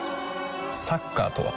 サッカーとは？